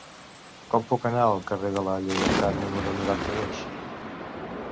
Com puc anar al carrer de la Lleialtat número noranta-dos?